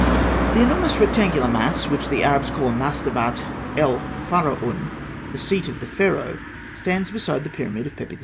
] The enormous rectangular mass which the Arabs call Mastabat el Faraûn, "the seat of Pharaoh" (fig. 141), stands beside the pyramid of Pepi II.